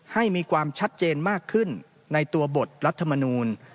ให้มีความชัดเจนมากขึ้นในตัวบทรัฐมนูล